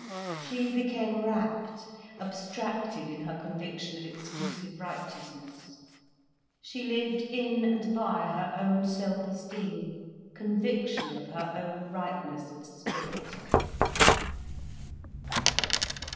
She became rapt, abstracted in her conviction of exclusive righteousness. She lived in and by her own self esteem, conviction of her own rightness of spirit.